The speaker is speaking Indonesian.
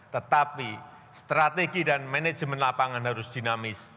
tetapi strategi dan manajemen lapangan harus dinamis